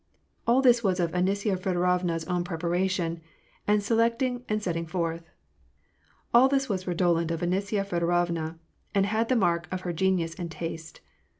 All this was of Anisya Feodorovna's own preparation, and selecting, and setting forth. All this was redolent of Anisya Feodorovna, and had the mark of her genius and taste.